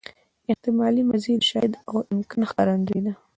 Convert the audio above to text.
احتمالي ماضي د شاید او امکان ښکارندوی ده.